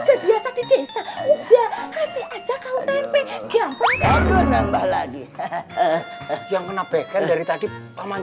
udah biasa di desa udah kasih aja kau tempe gampang lagi yang kena beker dari tadi paman